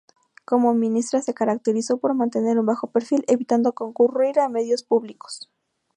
Como ministra se caracterizó por mantener un bajo perfil, evitando concurrir a medios públicos.